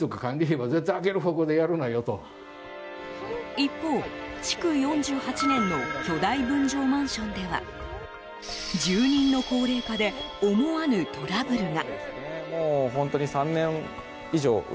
一方、築４８年の巨大分譲マンションでは住人の高齢化で思わぬトラブルが。